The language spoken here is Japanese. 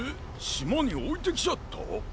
しまにおいてきちゃった？